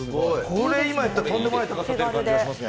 これ、今やったらとんでもない高さになる感じがしますね。